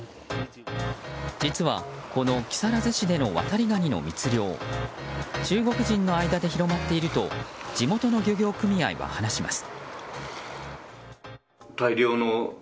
実は、この木更津市のワタリガニでの密漁中国人の間で広まっていると地元の漁業組合は話します。